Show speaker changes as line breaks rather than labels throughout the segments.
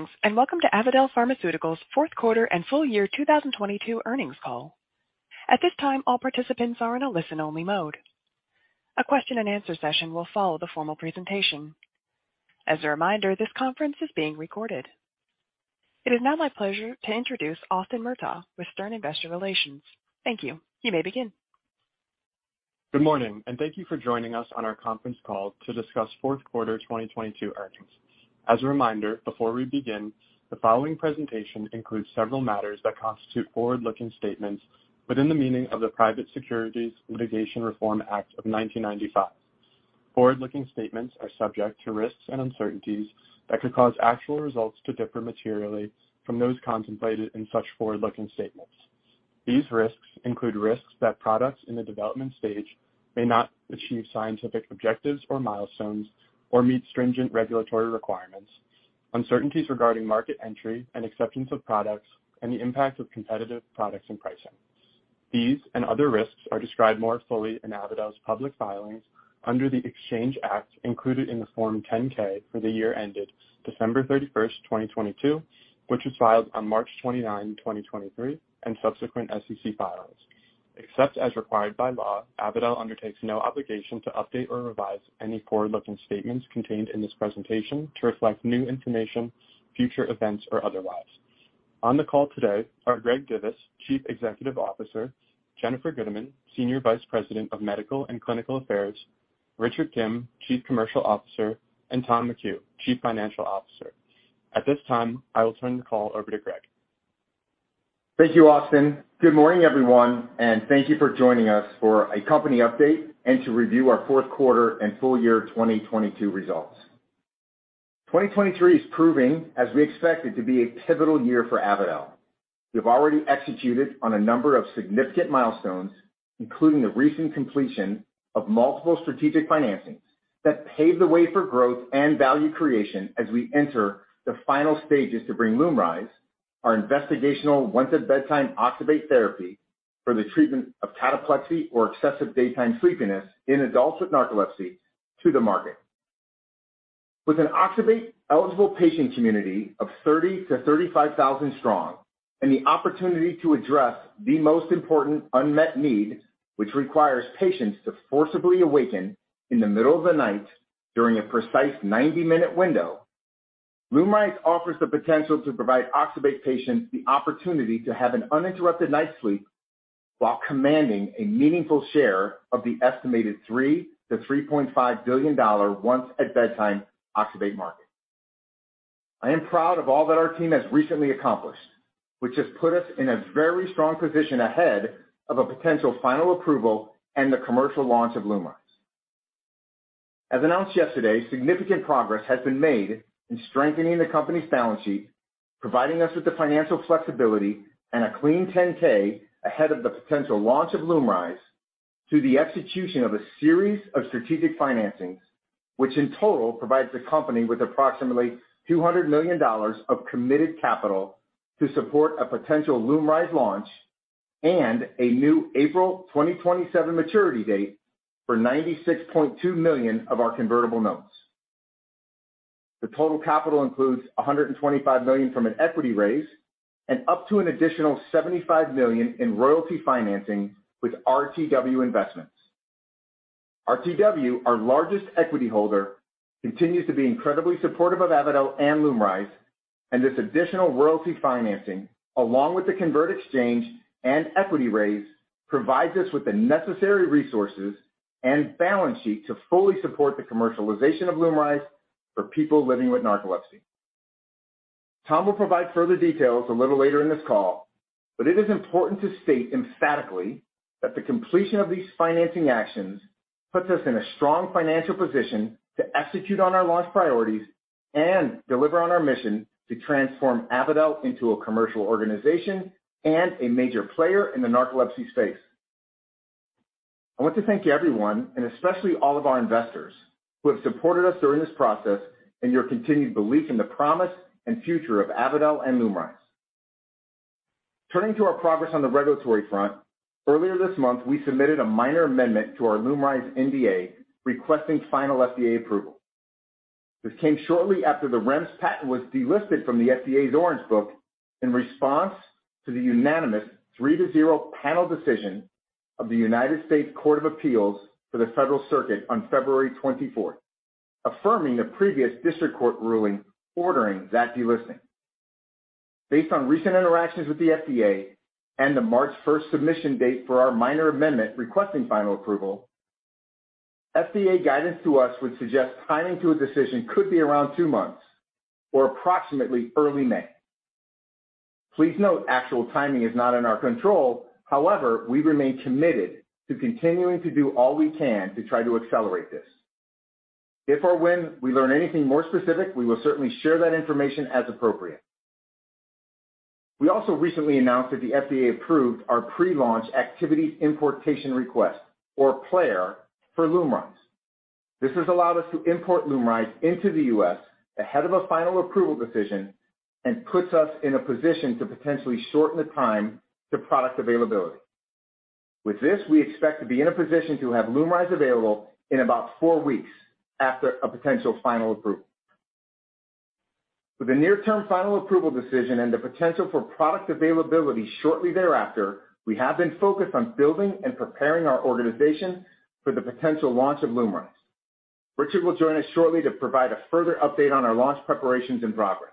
Greetings and welcome to Avadel Pharmaceuticals' Q4 and full year 2022 earnings call. At this time, all participants are in a listen-only mode. A question-and-answer session will follow the formal presentation. As a reminder, this conference is being recorded. It is now my pleasure to introduce Austin Murtagh with Stern Investor Relations. Thank you. You may begin.
Good morning, thank you for joining us on our conference call to discuss Q4 2022 earnings. As a reminder, before we begin, the following presentation includes several matters that constitute forward-looking statements within the meaning of the Private Securities Litigation Reform Act of 1995. Forward-looking statements are subject to risks and uncertainties that could cause actual results to differ materially from those contemplated in such forward-looking statements. These risks include risks that products in the development stage may not achieve scientific objectives or milestones or meet stringent regulatory requirements, uncertainties regarding market entry and acceptance of products and the impact of competitive products and pricing. These and other risks are described more fully in Avadel's public filings under the Exchange Act included in the Form 10-K for the year ended December 31st, 2022, which was filed on March 29th, 2023, and subsequent SEC filings. Except as required by law, Avadel undertakes no obligation to update or revise any forward-looking statements contained in this presentation to reflect new information, future events, or otherwise. On the call today are Greg Divis, Chief Executive Officer, Jennifer Gudeman, Senior Vice President of Medical and Clinical Affairs, Richard Kim, Chief Commercial Officer, and Tom McInerney, Chief Financial Officer. At this time, I will turn the call over to Greg.
Thank you, Austin. Good morning everyone, and thank you for joining us for a company update and to review our Q4 and full year 2022 results. 2023 is proving as we expect it to be a pivotal year for Avadel. We have already executed on a number of significant milestones, including the recent completion of multiple strategic financings that pave the way for growth and value creation as we enter the final stages to bring LUMRYZ, our investigational once-at-bedtime oxybate therapy for the treatment of cataplexy or excessive daytime sleepiness in adults with narcolepsy to the market. With an oxybate-eligible patient community of 30,000-35,000 strong and the opportunity to address the most important unmet need, which requires patients to forcibly awaken in the middle of the night during a precise 90-minute window, LUMRYZ offers the potential to provide oxybate patients the opportunity to have an uninterrupted night's sleep while commanding a meaningful share of the estimated $3 billion-$3.5 billion once-at-bedtime oxybate market. I am proud of all that our team has recently accomplished, which has put us in a very strong position ahead of a potential final approval and the commercial launch of LUMRYZ. As announced yesterday, significant progress has been made in strengthening the company's balance sheet, providing us with the financial flexibility and a clean 10-K ahead of the potential launch of LUMRYZ through the execution of a series of strategic financings, which in total provides the company with approximately $200 million of committed capital to support a potential LUMRYZ launch and a new April 2027 maturity date for $96.2 million of our convertible notes. The total capital includes $125 million from an equity raise and up to an additional $75 million in royalty financing with RTW Investments. RTW, our largest equity holder, continues to be incredibly supportive of Avadel and LUMRYZ, this additional royalty financing, along with the convert exchange and equity raise, provides us with the necessary resources and balance sheet to fully support the commercialization of LUMRYZ for people living with narcolepsy. Tom will provide further details a little later in this call, it is important to state emphatically that the completion of these financing actions puts us in a strong financial position to execute on our launch priorities and deliver on our mission to transform Avadel into a commercial organization and a major player in the narcolepsy space. I want to thank everyone, and especially all of our investors who have supported us during this process, and your continued belief in the promise and future of Avadel and LUMRYZ. Turning to our progress on the regulatory front, earlier this month, we submitted a minor amendment to our LUMRYZ NDA requesting final FDA approval. This came shortly after the REMS patent was delisted from the FDA's Orange Book in response to the unanimous three to zero panel decision of the United States Court of Appeals for the Federal Circuit on February 24th, affirming a previous district court ruling ordering that delisting. Based on recent interactions with the FDA and the March 1st submission date for our minor amendment requesting final approval, FDA guidance to us would suggest timing to a decision could be around 2 months or approximately early May. Please note actual timing is not in our control. However, we remain committed to continuing to do all we can to try to accelerate this. If or when we learn anything more specific, we will certainly share that information as appropriate. We also recently announced that the FDA approved our Pre-Launch Activities Importation Request or PLAIR for LUMRYZ. This has allowed us to import LUMRYZ into the US ahead of a final approval decision and puts us in a position to potentially shorten the time to product availability. With this, we expect to be in a position to have LUMRYZ available in about four weeks after a potential final approval. With a near-term final approval decision and the potential for product availability shortly thereafter, we have been focused on building and preparing our organization for the potential launch of LUMRYZ. Richard will join us shortly to provide a further update on our launch preparations and progress.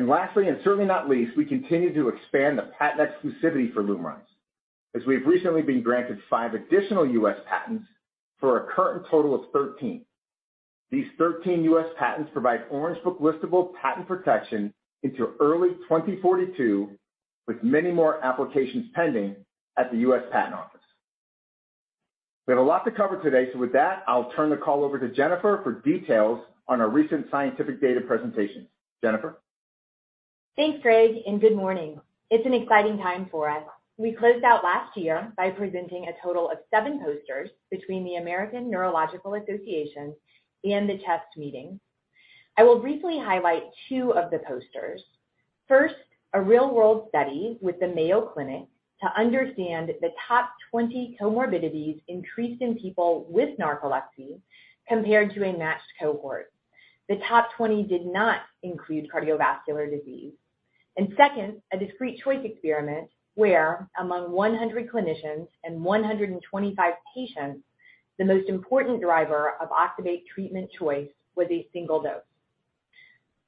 Lastly, and certainly not least, we continue to expand the patent exclusivity for LUMRYZ, as we have recently been granted five additional U.S. patents for a current total of 13. These 13 U.S. patents provide Orange Book listable patent protection into early 2042, with many more applications pending at the U.S. Patent Office. We have a lot to cover today, so with that, I'll turn the call over to Jennifer for details on our recent scientific data presentations. Jennifer.
Thanks, Greg. Good morning. It's an exciting time for us. We closed out last year by presenting a total of seven posters between the American Neurological Association and the CHEST meeting. I will briefly highlight two of the posters. First, a real-world study with the Mayo Clinic to understand the top 20 comorbidities increased in people with narcolepsy compared to a matched cohort. The top 20 did not include cardiovascular disease. Second, a discrete choice experiment where among 100 clinicians and 125 patients, the most important driver of oxybate treatment choice was a single dose.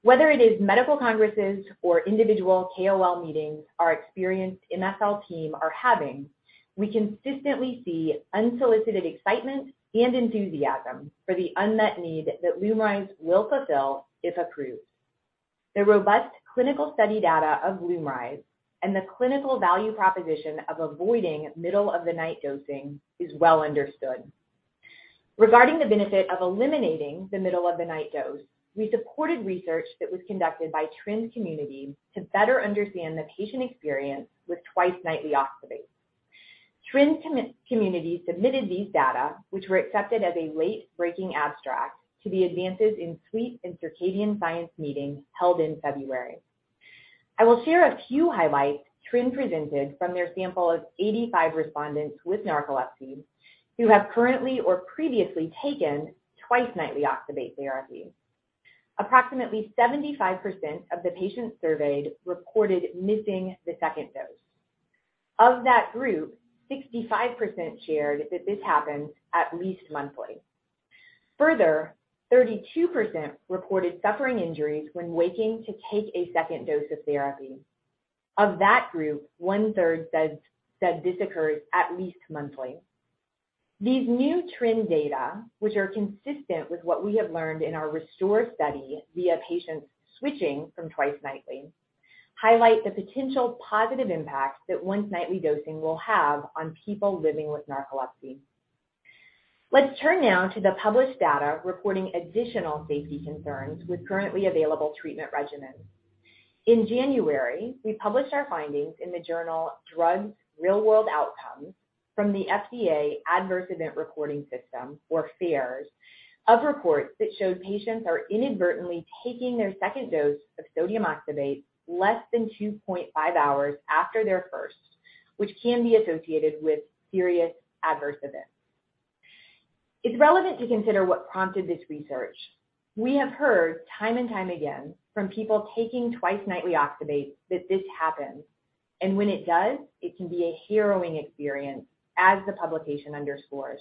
Whether it is medical congresses or individual KOL meetings our experienced MSL team are having, we consistently see unsolicited excitement and enthusiasm for the unmet need that LUMRYZ will fulfill if approved. The robust clinical study data of LUMRYZ and the clinical value proposition of avoiding middle of the night dosing is well understood. Regarding the benefit of eliminating the middle of the night dose, we supported research that was conducted by TRIN Community to better understand the patient experience with twice-nightly oxybate. TRIN Community submitted these data, which were accepted as a late-breaking abstract to the Advances in Sleep and Circadian Science meeting held in February. I will share a few highlights TRIN presented from their sample of 85 respondents with narcolepsy who have currently or previously taken twice-nightly oxybate therapy. Approximately 75% of the patients surveyed reported missing the second dose. Of that group, 65% shared that this happens at least monthly. Further, 32% reported suffering injuries when waking to take a second dose of therapy. Of that group, one-third said this occurs at least monthly. These new TRIN data, which are consistent with what we have learned in our RESTORE study via patients switching from twice nightly, highlight the potential positive impact that once nightly dosing will have on people living with narcolepsy. Let's turn now to the published data reporting additional safety concerns with currently available treatment regimens. In January, we published our findings in the journal Drugs - Real World Outcomes from the FDA Adverse Event Reporting System, or FAERS, of reports that showed patients are inadvertently taking their second dose of sodium oxybate less than 2.5 hours after their first, which can be associated with serious adverse events. It's relevant to consider what prompted this research. We have heard time and time again from people taking twice-nightly oxybate that this happens, and when it does, it can be a harrowing experience as the publication underscores.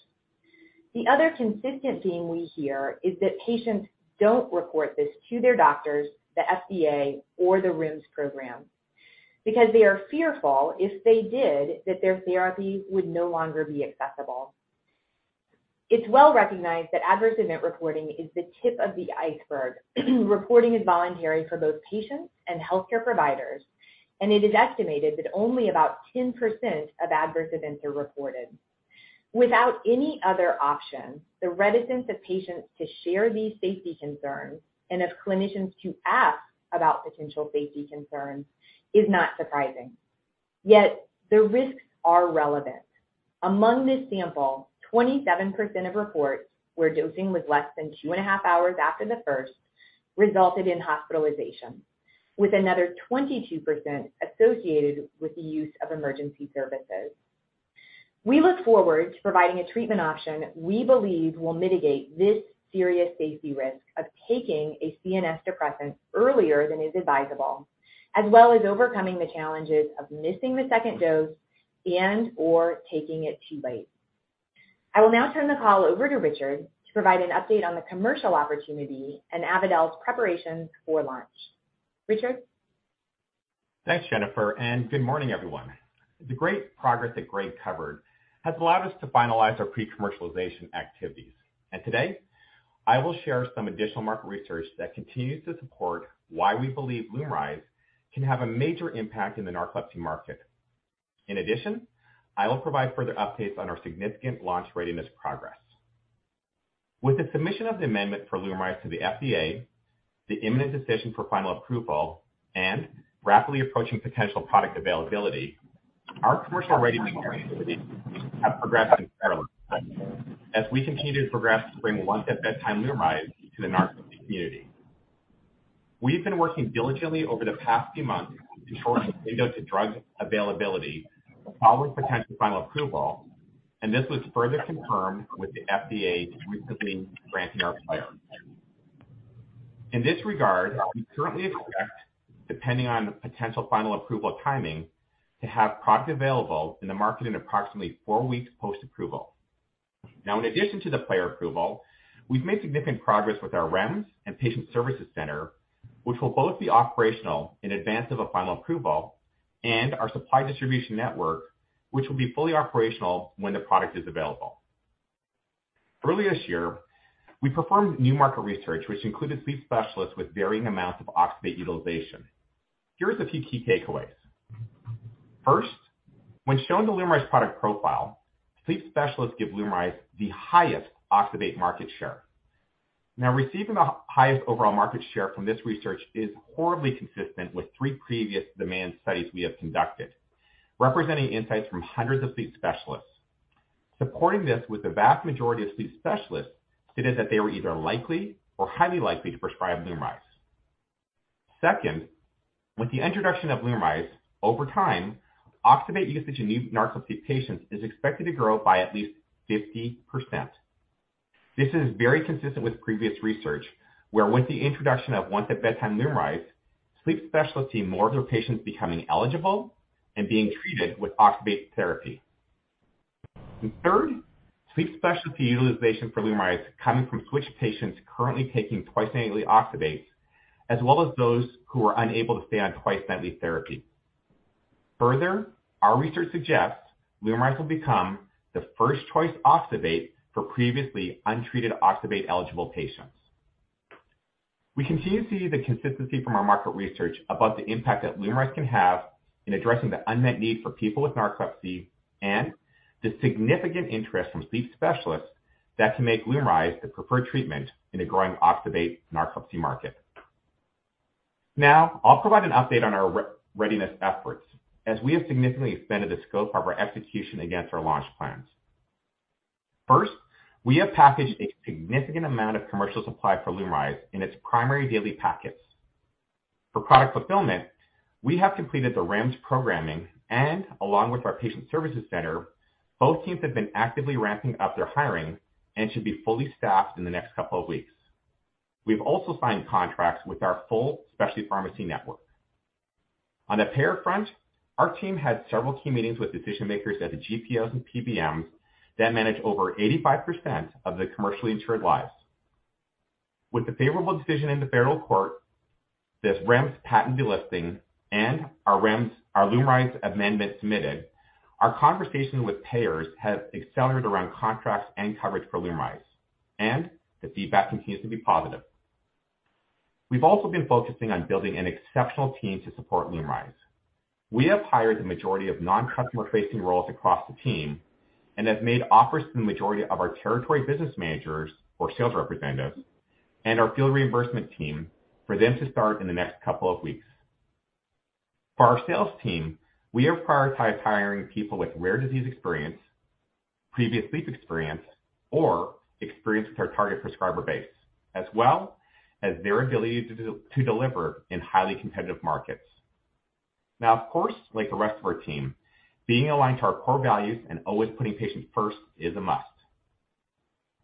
The other consistent theme we hear is that patients don't report this to their doctors, the FDA, or the REMS program because they are fearful, if they did, that their therapy would no longer be accessible. It's well recognized that adverse event reporting is the tip of the iceberg. Reporting is voluntary for both patients and healthcare providers. It is estimated that only about 10% of adverse events are reported. Without any other option, the reticence of patients to share these safety concerns and of clinicians to ask about potential safety concerns is not surprising. The risks are relevant. Among this sample, 27% of reports where dosing was less than 2.5 hours after the first resulted in hospitalization, with another 22% associated with the use of emergency services. We look forward to providing a treatment option we believe will mitigate this serious safety risk of taking a CNS depressant earlier than is advisable, as well as overcoming the challenges of missing the second dose and/or taking it too late. I will now turn the call over to Richard to provide an update on the commercial opportunity and Avadel's preparations for launch. Richard.
Thanks, Jennifer, and good morning, everyone. The great progress that Greg covered has allowed us to finalize our pre-commercialization activities. Today, I will share some additional market research that continues to support why we believe LUMRYZ can have a major impact in the narcolepsy market. In addition, I will provide further updates on our significant launch readiness progress. With the submission of the amendment for LUMRYZ to the FDA, the imminent decision for final approval, and rapidly approaching potential product availability, our commercial readiness activities have progressed incredibly as we continue to progress to bring once at bedtime LUMRYZ to the narcolepsy community. We've been working diligently over the past few months to shorten the window to drug availability following potential final approval, and this was further confirmed with the FDA recently granting our PLAIR. In this regard, we currently expect, depending on potential final approval timing, to have product available in the market in approximately four weeks post-approval. In addition to the PLAIR approval, we've made significant progress with our REMS and patient services center, which will both be operational in advance of a final approval, and our supply distribution network, which will be fully operational when the product is available. Early this year, we performed new market research, which included sleep specialists with varying amounts of oxybate utilization. Here are the few key takeaways. First, when shown the LUMRYZ product profile, sleep specialists give LUMRYZ the highest oxybate market share. Receiving the highest overall market share from this research is horribly consistent with three previous demand studies we have conducted, representing insights from hundreds of sleep specialists. Supporting this with the vast majority of sleep specialists stated that they were either likely or highly likely to prescribe LUMRYZ. Second, with the introduction of LUMRYZ, over time, oxybate usage in new narcolepsy patients is expected to grow by at least 50%. This is very consistent with previous research, where with the introduction of once-at-bedtime LUMRYZ, sleep specialists see more of their patients becoming eligible and being treated with oxybate therapy. Third, sleep specialty utilization for LUMRYZ coming from switched patients currently taking twice-nightly oxybates, as well as those who are unable to stay on twice-nightly therapy. Our research suggests LUMRYZ will become the first choice oxybate for previously untreated oxybate-eligible patients. We continue to see the consistency from our market research about the impact that LUMRYZ can have in addressing the unmet need for people with narcolepsy and the significant interest from sleep specialists that can make LUMRYZ the preferred treatment in a growing oxybate narcolepsy market. Now, I'll provide an update on our re-readiness efforts as we have significantly expanded the scope of our execution against our launch plans. First, we have packaged a significant amount of commercial supply for LUMRYZ in its primary daily packets. For product fulfillment, we have completed the REMS programming and along with our patient services center, both teams have been actively ramping up their hiring and should be fully staffed in the next couple of weeks. We've also signed contracts with our full specialty pharmacy network. On the payer front, our team had several key meetings with decision-makers at the GPOs and PBMs that manage over 85% of the commercially insured lives. With the favorable decision in the federal court, this REMS patent delisting and our REMS, our LUMRYZ amendment submitted, our conversation with payers have accelerated around contracts and coverage for LUMRYZ. The feedback continues to be positive. We've also been focusing on building an exceptional team to support LUMRYZ. We have hired the majority of non-customer facing roles across the team and have made offers to the majority of our territory business managers or sales representatives and our field reimbursement team for them to start in the next couple of weeks. For our sales team, we have prioritized hiring people with rare disease experience, previous sleep experience, or experience with our target prescriber base, as well as their ability to deliver in highly competitive markets. Now, of course, like the rest of our team, being aligned to our core values and always putting patients first is a must.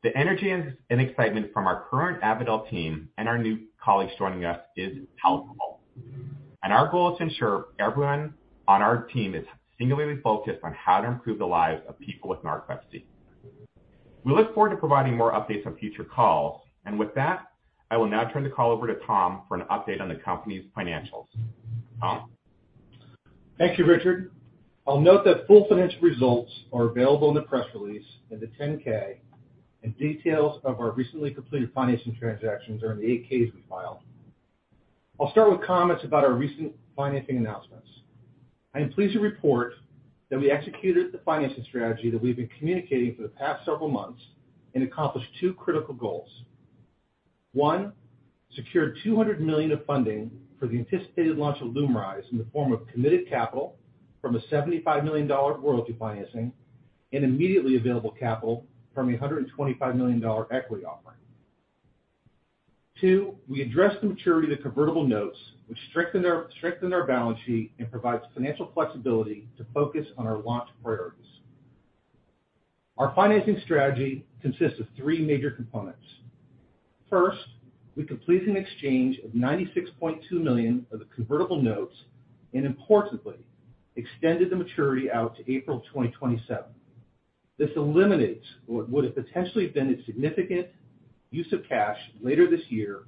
The energy and excitement from our current Avadel team and our new colleagues joining us is palpable. Our goal is to ensure everyone on our team is singularly focused on how to improve the lives of people with narcolepsy. We look forward to providing more updates on future calls. With that, I will now turn the call over to Tom for an update on the company's financials. Tom?
Thank you, Richard. I'll note that full financial results are available in the press release in the 10-K, and details of our recently completed financing transactions are in the 8-Ks we filed. I'll start with comments about our recent financing announcements. I am pleased to report that we executed the financing strategy that we've been communicating for the past several months and accomplished two critical goals. One, secured $200 million of funding for the anticipated launch of LUMRYZ in the form of committed capital from a $75 million royalty financing and immediately available capital from a $125 million equity offering. Two, we addressed the maturity of the convertible notes, which strengthen our balance sheet and provides financial flexibility to focus on our launch priorities. Our financing strategy consists of three major components. First, we completed an exchange of $96.2 million of the convertible notes, importantly, extended the maturity out to April 2027. This eliminates what would have potentially been a significant use of cash later this year,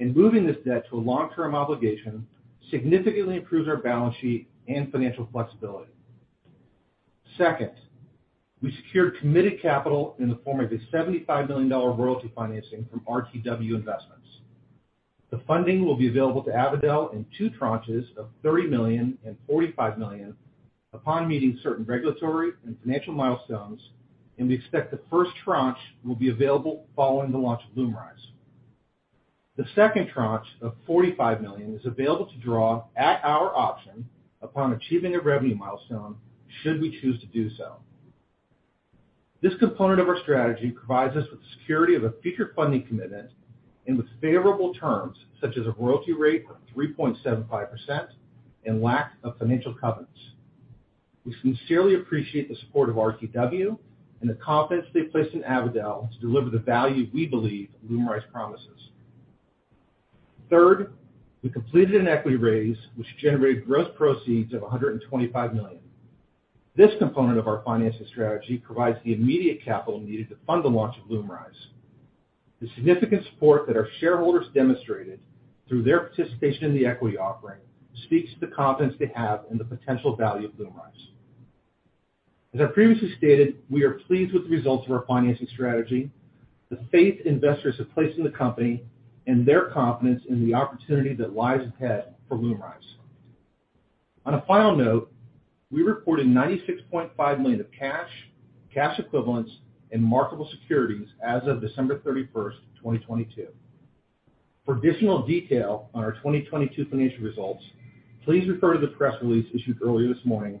moving this debt to a long-term obligation significantly improves our balance sheet and financial flexibility. Second, we secured committed capital in the form of a $75 million royalty financing from RTW Investments. The funding will be available to Avadel in two tranches of $30 million and $45 million upon meeting certain regulatory and financial milestones, we expect the first tranche will be available following the launch of LUMRYZ. The second tranche of $45 million is available to draw at our option upon achieving a revenue milestone, should we choose to do so. This component of our strategy provides us with the security of a future funding commitment and with favorable terms such as a royalty rate of 3.75% and lack of financial covenants. We sincerely appreciate the support of RTW and the confidence they placed in Avadel to deliver the value we believe LUMRYZ promises. Third, we completed an equity raise, which generated gross proceeds of $125 million. This component of our financing strategy provides the immediate capital needed to fund the launch of LUMRYZ. The significant support that our shareholders demonstrated through their participation in the equity offering speaks to the confidence they have in the potential value of LUMRYZ. As I previously stated, we are pleased with the results of our financing strategy, the faith investors have placed in the company and their confidence in the opportunity that lies ahead for LUMRYZ. On a final note, we reported $96.5 million of cash equivalents and marketable securities as of December 31st, 2022. For additional detail on our 2022 financial results, please refer to the press release issued earlier this morning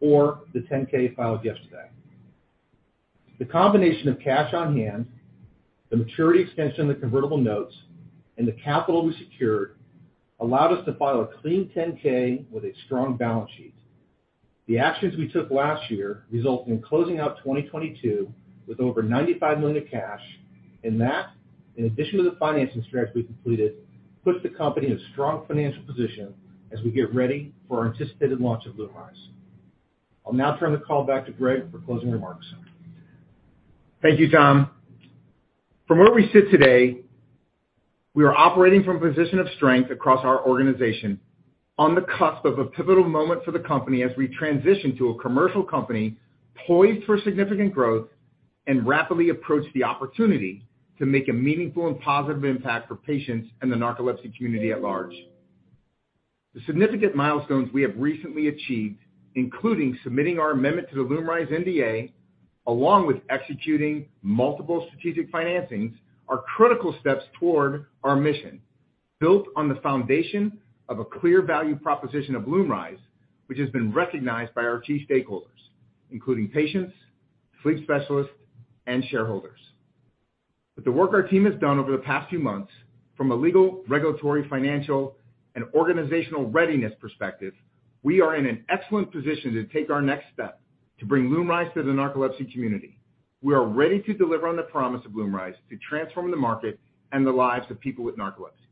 or the Form 10-K filed yesterday. The combination of cash on hand, the maturity extension of the convertible notes, and the capital we secured allowed us to file a clean Form 10-K with a strong balance sheet. The actions we took last year result in closing out 2022 with over $95 million of cash. That, in addition to the financing strategy we completed, puts the company in a strong financial position as we get ready for our anticipated launch of LUMRYZ. I'll now turn the call back to Greg for closing remarks.
Thank you, Tom. From where we sit today, we are operating from a position of strength across our organization on the cusp of a pivotal moment for the company as we transition to a commercial company poised for significant growth and rapidly approach the opportunity to make a meaningful and positive impact for patients and the narcolepsy community at large. The significant milestones we have recently achieved, including submitting our amendment to the LUMRYZ NDA, along with executing multiple strategic financings, are critical steps toward our mission, built on the foundation of a clear value proposition of LUMRYZ, which has been recognized by our key stakeholders, including patients, sleep specialists, and shareholders. With the work our team has done over the past few months from a legal, regulatory, financial, and organizational readiness perspective, we are in an excellent position to take our next step to bring LUMRYZ to the narcolepsy community. We are ready to deliver on the promise of LUMRYZ to transform the market and the lives of people with narcolepsy.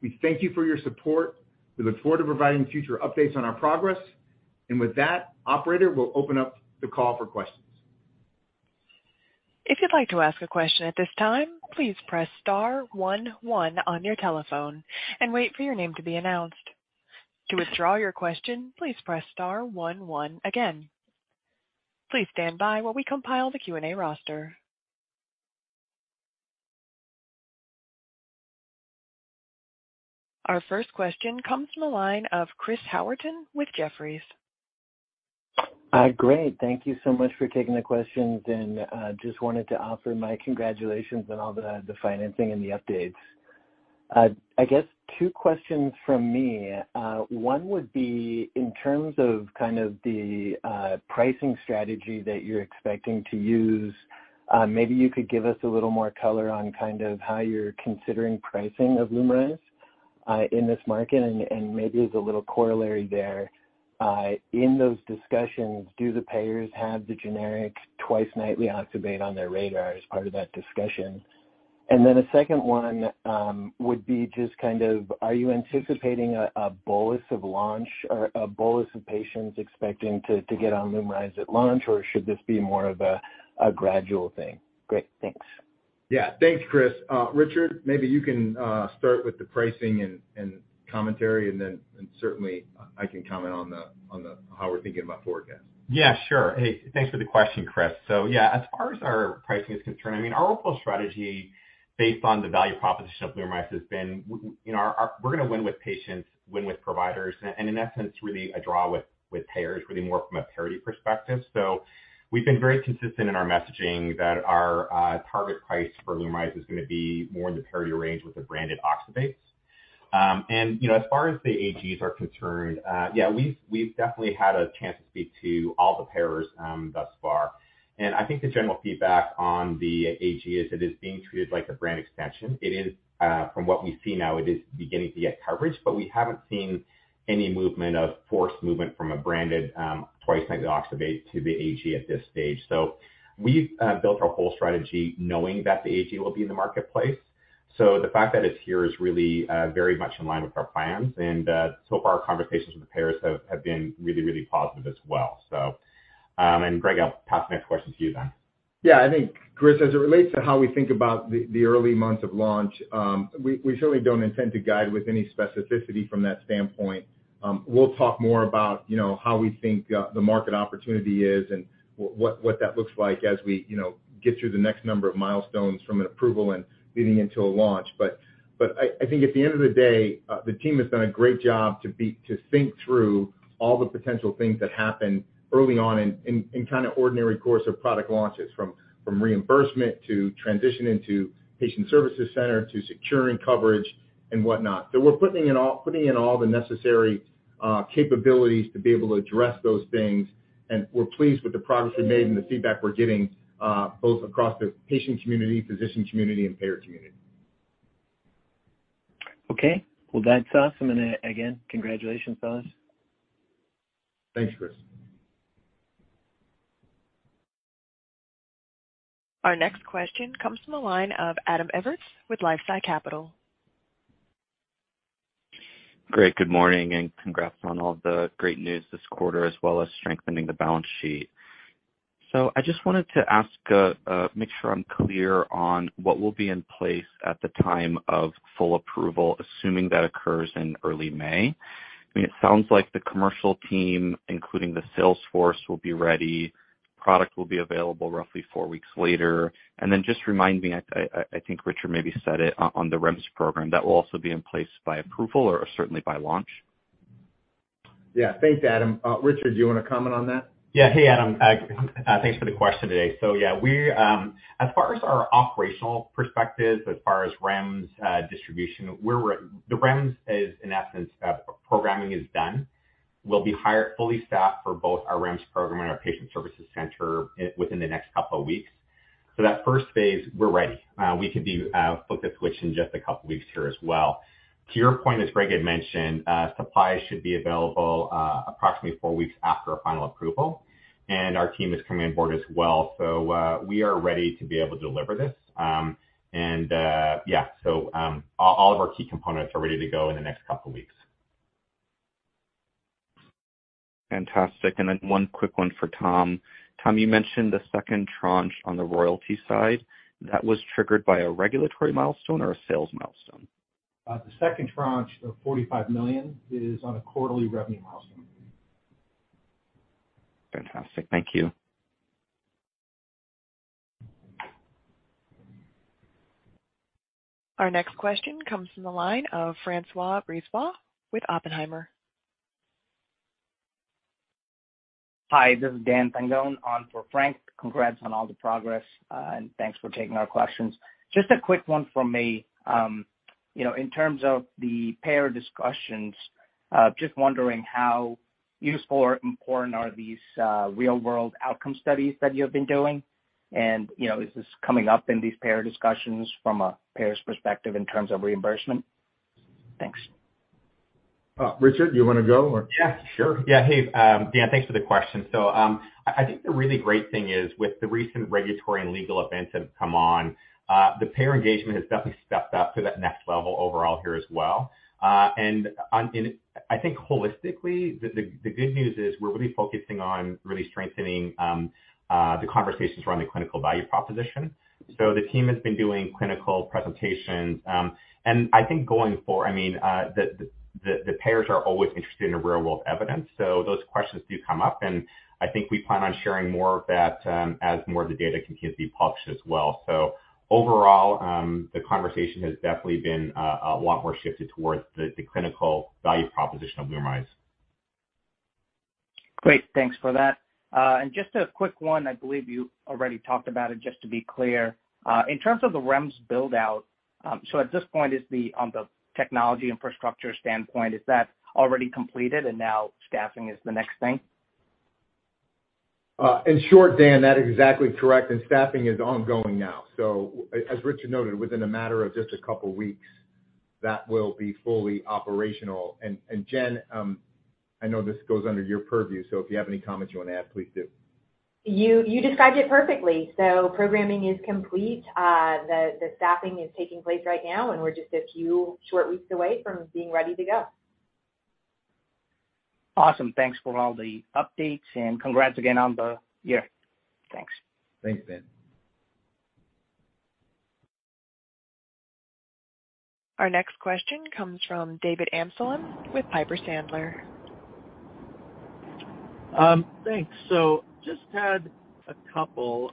We thank you for your support. We look forward to providing future updates on our progress. With that, operator, we'll open up the call for questions.
If you'd like to ask a question at this time, please press star one one on your telephone and wait for your name to be announced. To withdraw your question, please press star one one again. Please stand by while we compile the Q&A roster. Our first question comes from the line of Chris Howerton with Jefferies.
Great. Thank you so much for taking the questions. Just wanted to offer my congratulations on all the financing and the updates. I guess two questions from me. One would be in terms of the pricing strategy that you're expecting to use, maybe you could give us a little more color on how you're considering pricing of LUMRYZ in this market. Maybe as a little corollary there, in those discussions, do the payers have the generic twice nightly Oxybate on their radar as part of that discussion? Then a second one, would be just are you anticipating a bolus of launch or a bolus of patients expecting to get on LUMRYZ at launch, or should this be more of a gradual thing? Great. Thanks.
Yes. Thanks, Chris. Richard, maybe you can start with the pricing and commentary, certainly I can comment on how we're thinking about forecast.
Yes, sure. Hey, thanks for the question, Chris. Yes, as far as our pricing is concerned, I mean, our overall strategy based on the value proposition of LUMRYZ has been, you know, we're going to win with patients, win with providers, and in essence, really a draw with payers, really more from a parity perspective. We've been very consistent in our messaging that our target price for LUMRYZ is going to be more in the parity range with the branded Oxybates. You know, as far as the AGs are concerned, Yes, we've definitely had a chance to speak to all the payers thus far. I think the general feedback on the AG is it is being treated like a brand extension. It is, from what we see now, it is beginning to get coverage. We haven't seen any movement of forced movement from a branded, twice nightly oxybate to the AG at this stage. We've built our whole strategy knowing that the AG will be in the marketplace. The fact that it's here is really very much in line with our plans. So far, our conversations with the payers have been really, really positive as well. Greg, I'll pass the next question to you then.
Yes. I think, Chris, as it relates to how we think about the early months of launch, we certainly don't intend to guide with any specificity from that standpoint. We'll talk more about, you know, how we think, the market opportunity is and what that looks like as we get through the next number of milestones from an approval and leading into a launch. I think at the end of the day, the team has done a great job to think through all the potential things that happen early on in kind of ordinary course of product launches, from reimbursement to transition into patient services center to securing coverage and whatnot. We're putting in all the necessary capabilities to be able to address those things, and we're pleased with the progress we've made and the feedback we're getting, both across the patient community, physician community, and payer community.
Okay. Well, that's awesome. Again, congratulations, fellas.
Thanks, Chris.
Our next question comes from the line of Adam Everetts with LifeSci Capital.
Great. Good morning and congrats on all the great news this quarter as well as strengthening the balance sheet. I just wanted to ask, make sure I'm clear on what will be in place at the time of full approval, assuming that occurs in early May. It sounds like the commercial team, including the sales force, will be ready, product will be available roughly four weeks later. Just remind me, I think Richard maybe said it on the REMS program, that will also be in place by approval or certainly by launch.
Yes. Thanks, Adam. Richard, do you want to comment on that?
Hey, Adam. Thanks for the question today. As far as our operational perspective, as far as REMS distribution, the REMS is in essence programming is done. We'll be fully staffed for both our REMS program and our patient services center within the next couple of weeks. That first phase, we're ready. We can be flipped a switch in just a couple weeks here as well. To your point, as Greg had mentioned, supply should be available approximately four weeks after our final approval, and our team is coming on board as well. We are ready to be able to deliver this. All of our key components are ready to go in the next couple weeks.
Fantastic. One quick one for Tom. Tom, you mentioned the second tranche on the royalty side. That was triggered by a regulatory milestone or a sales milestone?
The second tranche of $45 million is on a quarterly revenue milestone.
Fantastic. Thank you.
Our next question comes from the line of François Brisebois with Oppenheimer.
Hi, this is Dan Tangone on for Frank. Congrats on all the progress, thanks for taking our questions. Just a quick one from me. you know, in terms of the payer discussions, just wondering how useful or important are these real-world outcome studies that you have been doing. Is this coming up in these payer discussions from a payer's perspective in terms of reimbursement? Thanks.
Richard, you want to go?
Yes, sure. Hey, Dan, thanks for the question. I think the really great thing is with the recent regulatory and legal events that have come on, the payer engagement has definitely stepped up to that next level overall here as well. I think holistically, the good news is we're really focusing on really strengthening the conversations around the clinical value proposition. The team has been doing clinical presentations. The payers are always interested in real-world evidence, those questions do come up, and I think we plan on sharing more of that as more of the data continues to be published as well. Overall, the conversation has definitely been a lot more shifted towards the clinical value proposition of LUMRYZ.
Great. Thanks for that. Just a quick one. I believe you already talked about it, just to be clear. In terms of the REMS build-out, at this point, on the technology infrastructure standpoint, is that already completed and now staffing is the next thing?
In short, Dan, that is exactly correct. Staffing is ongoing now. As Richard noted, within a matter of just a couple weeks, that will be fully operational. Jen, I know this goes under your purview, so if you have any comments you want to add, please do.
You described it perfectly. Programming is complete. The staffing is taking place right now. We're just a few short weeks away from being ready to go.
Awesome. Thanks for all the updates, and congrats again on the year. Thanks.
Thanks, Dan.
Our next question comes from David Amsellem with Piper Sandler.
Thanks. Just had a couple.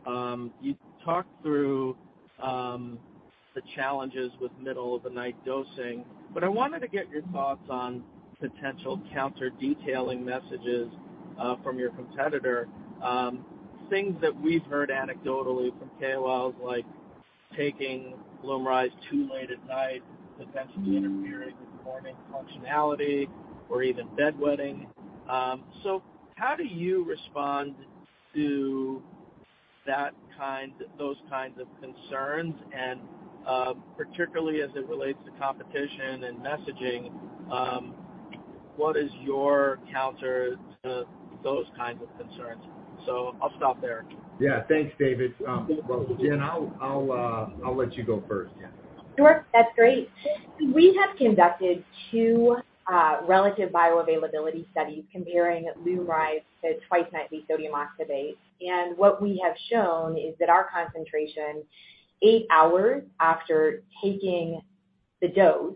You talked through the challenges with middle of the night dosing, but I wanted to get your thoughts on potential counter-detailing messages from your competitor. Things that we've heard anecdotally from KOLs like taking LUMRYZ too late at night potentially interfering with morning functionality or even bedwetting. How do you respond to those kinds of concerns? Particularly as it relates to competition and messaging, what is your counter to those kinds of concerns? I'll stop there.
Yes. Thanks, David. Well, Jen, I'll let you go first, Jen.
Sure. That's great. We have conducted two relative bioavailability studies comparing LUMRYZ to twice-nightly sodium oxybate. What we have shown is that our concentration eight hours after taking the dose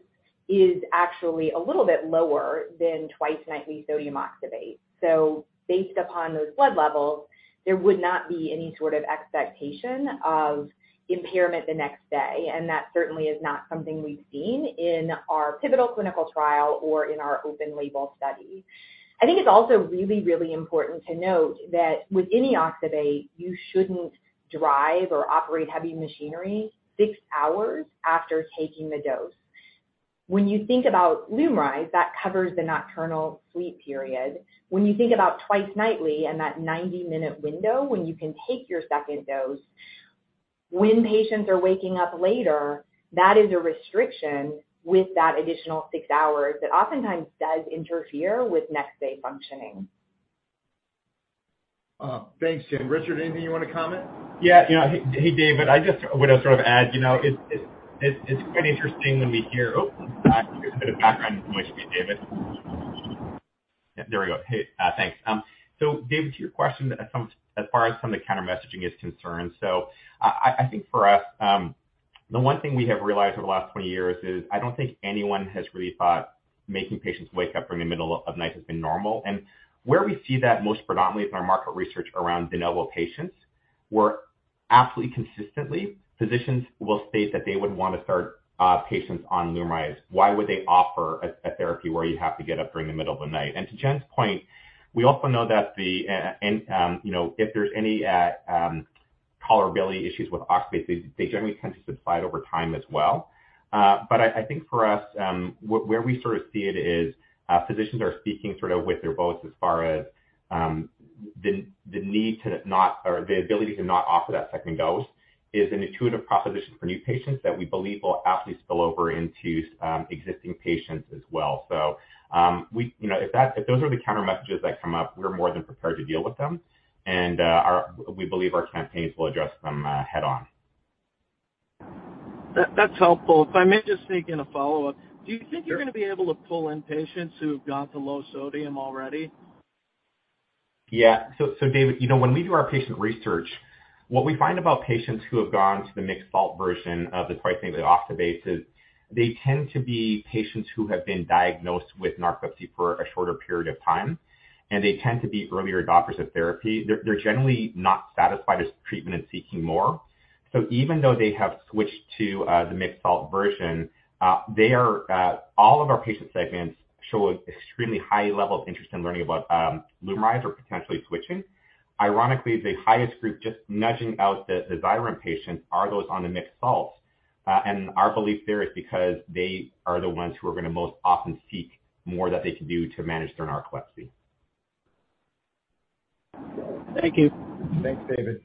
is actually a little bit lower than twice-nightly sodium oxybate. Based upon those blood levels, there would not be any sort of expectation of impairment the next day, and that certainly is not something we've seen in our pivotal clinical trial or in our open-label study. I think it's also really, really important to note that with any oxybate, you shouldn't drive or operate heavy machinery six hours after taking the dose. When you think about LUMRYZ, that covers the nocturnal sleep period. When you think about twice nightly and that 90-minute window when you can take your second dose, when patients are waking up later, that is a restriction with that additional six hours that oftentimes does interfere with next day functioning.
Thanks, Jen. Richard, anything you want to comment?
Yes. Hey, David, I just would sort of add, you know, it's quite interesting when we hear. Sorry. There's a bit of background noise here, David. There we go. Hey, thanks. David, to your question, as far as some of the counter messaging is concerned. I think for us, the one thing we have realized over the last 20 years is I don't think anyone has really thought making patients wake up in the middle of night has been normal. Where we see that most predominantly is our market research around de novo patients, where absolutely consistently physicians will state that they wouldn't want to start patients on LUMRYZ. Why would they offer a therapy where you have to get up during the middle of night? To Jen's point, we also know that the, and, you know, if there's any tolerability issues with oxybate, they generally tend to subside over time as well. I think for us, where we sort of see it is, physicians are speaking with their votes as far as the need to not or the ability to not offer that second dose is an intuitive proposition for new patients that we believe will absolutely spill over into existing patients as well. We, you know, if that, if those are the counter messages that come up, we're more than prepared to deal with them. We believe our campaigns will address them head on.
That's helpful. If I may just sneak in a follow-up.
Sure.
Do you think you're going to be able to pull in patients who have gone to low sodium already?
Yes. David, when we do our patient research, what we find about patients who have gone to the mixed-salt version of the twice nightly oxybate is they tend to be patients who have been diagnosed with narcolepsy for a shorter period of time, and they tend to be earlier adopters of therapy. They're generally not satisfied with treatment and seeking more. Even though they have switched to the mixed-salt version, they are all of our patient segments show extremely high level of interest in learning about LUMRYZ or potentially switching. Ironically, the highest group, just nudging out the Xyrem patients are those on the mixed-salts. Our belief there is because they are the ones who are going to most often seek more that they can do to manage their narcolepsy.
Thank you.
Thanks, David.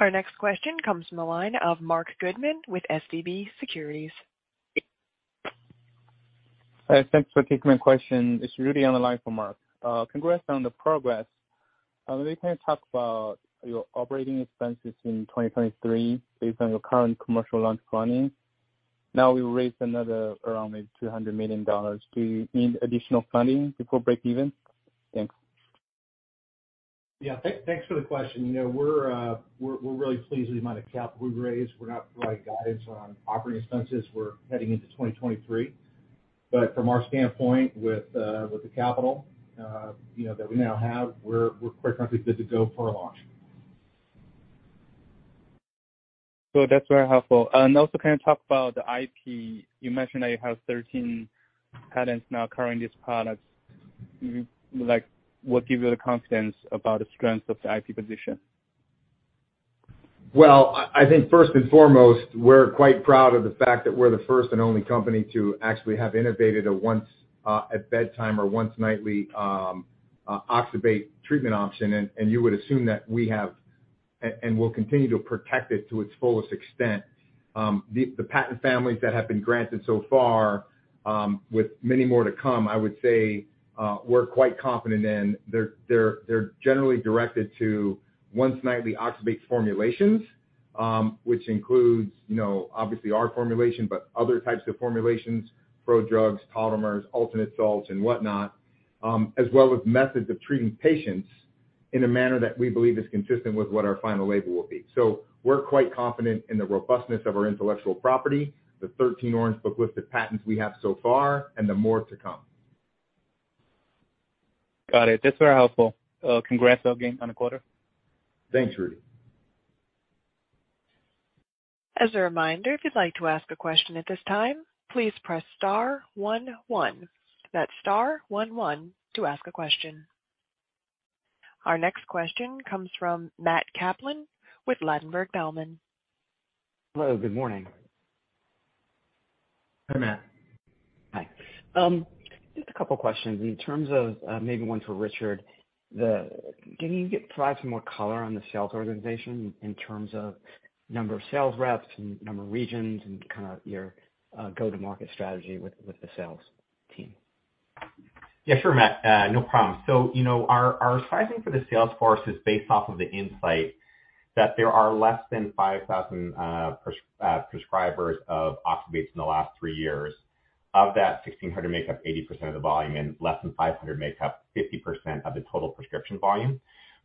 Our next question comes from the line of Marc Goodman with SVB Securities.
Hi. Thanks for taking my question. It's Rudy on the line for Marc. Congrats on the progress. Maybe can you talk about your operating expenses in 2023 based on your current commercial launch planning? Now you've raised another around $200 million. Do you need additional funding before break even? Thanks.
Yes. Thanks for the question. We're really pleased with the amount of capital we've raised. We're not providing guidance on operating expenses. We're heading into 2023. From our standpoint, with the capital that we now have, we're quite frankly good to go for a launch.
That's very helpful. Also, can you talk about the IP? You mentioned that you have 13 patents now covering these products. What gives you the confidence about the strength of the IP position?
Well, I think first and foremost, we're quite proud of the fact that we're the first and only company to actually have innovated a once at bedtime or once nightly oxybate treatment option. You would assume that we have and will continue to protect it to its fullest extent. The patent families that have been granted so far, with many more to come, I would say, we're quite confident in. They're generally directed to once nightly oxybate formulations, which includes, obviously our formulation, but other types of formulations, prodrugs, polymers, alternate salts and whatnot, as well as methods of treating patients in a manner that we believe is consistent with what our final label will be. We're quite confident in the robustness of our intellectual property, the 13 Orange Book listed patents we have so far and the more to come.
Got it. That's very helpful. Congrats again on the quarter.
Thanks, Rudy.
As a reminder, if you'd like to ask a question at this time, please press star one one. That's star one one to ask a question. Our next question comes from Matt Kaplan with Ladenburg Thalmann.
Hello, good morning.
Hi, Matt.
Hi. Just a couple questions. In terms of, maybe one for Richard. Can you provide some more color on the sales organization in terms of number of sales reps, number of regions and your go-to-market strategy with the sales team?
Yes, sure, Matt. No problem. Our sizing for the sales force is based off of the insight that there are less than 5,000 prescribers of oxybate in the last three years. Of that, 1,600 make up 80% of the volume, and less than 500 make up 50% of the total prescription volume.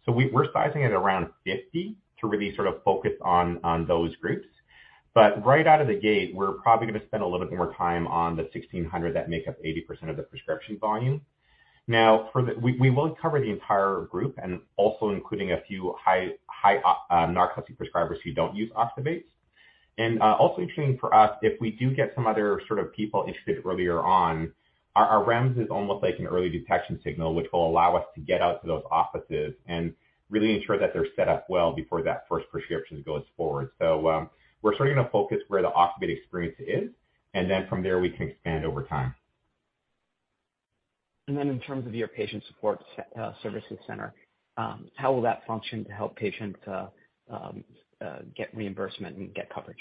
We're sizing at around 50 to really sort of focus on those groups. Right out of the gate, we're probably going to spend a little bit more time on the 1,600 that make up 80% of the prescription volume. We will cover the entire group and also including a few high narcolepsy prescribers who don't use oxybate. Also interesting for us, if we do get some other people interested earlier on, our REMS is almost like an early detection signal, which will allow us to get out to those offices and really ensure that they're set up well before that first prescription goes forward. We're starting to focus where the oxybate experience is. Then, from there, we can expand over time.
In terms of your patient support services center, how will that function to help patients get reimbursement and get coverage?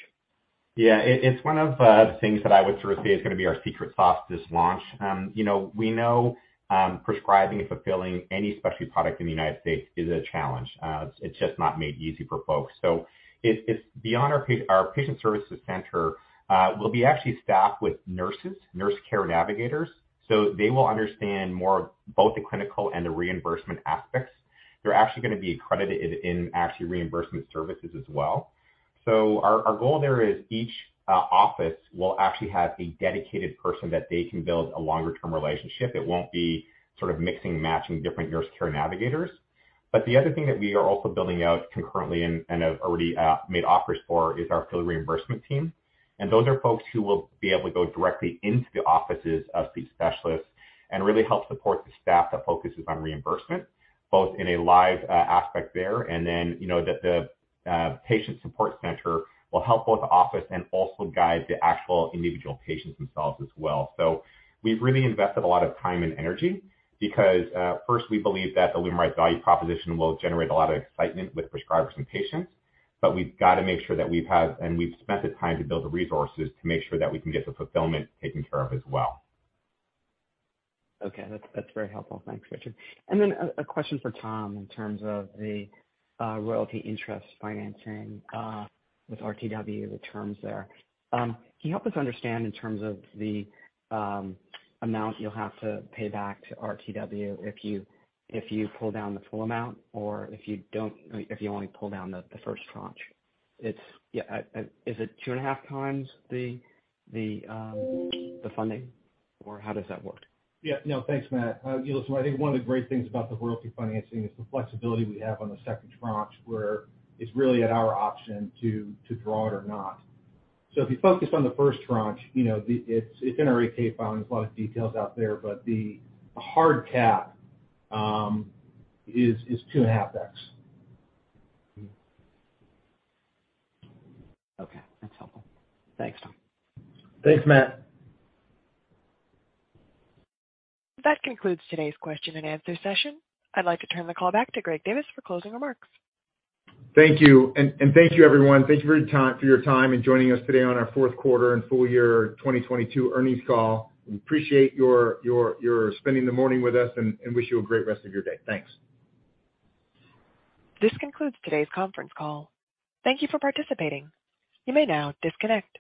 Yes, it's one of the things that I would sort of say is going to be our secret sauce this launch. We know prescribing and fulfilling any specialty product in the United States is a challenge. It's just not made easy for folks. It's beyond our patient services center, we'll be actually staffed with nurses, nurse care navigators, so they will understand more of both the clinical and the reimbursement aspects. They're actually going to be accredited in actually reimbursement services as well. Our goal there is each office will actually have a dedicated person that they can build a longer-term relationship. It won't be mixing and matching different nurse care navigators. The other thing that we are also building out concurrently and have already made offers for is our field reimbursement team. Those are folks who will be able to go directly into the offices of these specialists and really help support the staff that focuses on reimbursement, both in a live aspect there and then, you know, the patient support center will help both office and also guide the actual individual patients themselves as well. We've really invested a lot of time and energy because, first, we believe that the LUMRYZ value proposition will generate a lot of excitement with prescribers and patients. We've gotta make sure that we've spent the time to build the resources to make sure that we can get the fulfillment taken care of as well.
Okay. That's very helpful. Thanks, Richard. A question for Tom in terms of the royalty interest financing with RTW, the terms there. Can you help us understand in terms of the amount you'll have to pay back to RTW if you pull down the full amount or if you don't, if you only pull down the first tranche? Is it 2.5 times the funding, or how does that work?
Yes. Thanks, Matt. Listen, I think one of the great things about the royalty financing is the flexibility we have on the second tranche, where it's really at our option to draw it or not. If you focus on the first tranche, it's in our 8-K filing. There's a lot of details out there, but the hard cap is 2.5x.
Okay. That's helpful. Thanks, Tom.
Thanks, Matt.
That concludes today's question and answer session. I'd like to turn the call back to Greg Divis for closing remarks.
Thank you. Thank you everyone. Thank you for your time in joining us today on our Q4 and full year 2022 earnings call. We appreciate your spending the morning with us and wish you a great rest of your day. Thanks.
This concludes today's conference call. Thank you for participating. You may now disconnect.